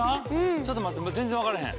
ちょっと待って全然分かれへん。